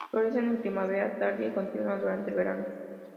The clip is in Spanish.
Florece en primavera tardía y continúa durante el verano.